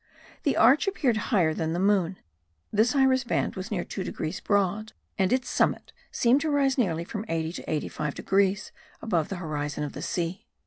The arch appeared higher than the moon; this iris band was near 2 degrees broad, and its summit seemed to rise nearly from 80 to 85 degrees above the horizon of the sea.